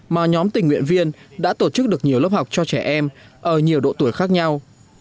mà nhóm tình nguyện viên đã tổ chức được nhiều lớp học cho trẻ em ở nhiều độ tuổi khác nhau